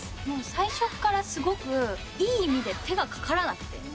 最初からすごくいい意味で手がかからなくて。